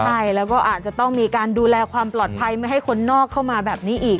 ใช่แล้วก็อาจจะต้องมีการดูแลความปลอดภัยไม่ให้คนนอกเข้ามาแบบนี้อีก